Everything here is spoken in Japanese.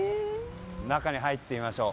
中に入ってみましょう。